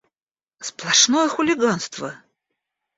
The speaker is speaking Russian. Сплошное хулиганство!